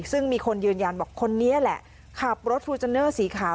ซึ่งมีคนยืนยันบอกคนนี้แหละขับรถฟูจันเนอร์สีขาว